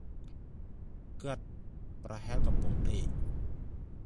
គាត់ ប្រហែលកំពុងដេក ។